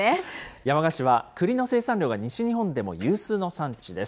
山鹿市は、栗の生産量が西日本でも有数の産地です。